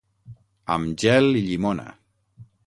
Amb gel i llimona!